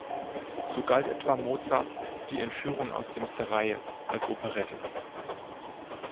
So galt etwa Mozarts "Die Entführung aus dem Serail" als Operette.